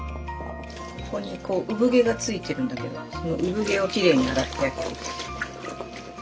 ここにこう産毛がついてるんだけどその産毛をきれいに洗ってあげる。